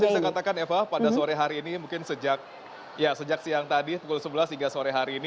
bisa katakan eva pada sore hari ini mungkin sejak siang tadi pukul sebelas hingga sore hari ini